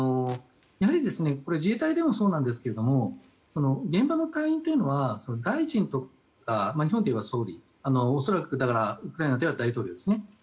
やはり、自衛隊でもそうなんですけども現場の隊員というのは日本でいえば総理ウクライナでは大統領ですね。